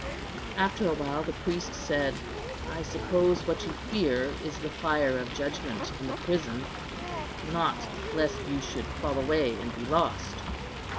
After a while the priest said, "I suppose what you fear is the fire of judgment, and the prison; not lest you should fall away and be lost."